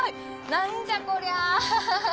何じゃこりゃ。